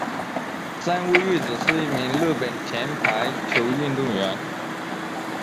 三屋裕子是一名日本前排球运动员。